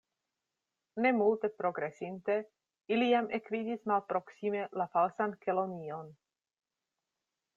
Ne multe progresinte, ili jam ekvidis malproksime la Falsan Kelonion.